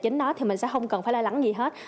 chính đó thì mình sẽ không cần phải lo lắng gì hết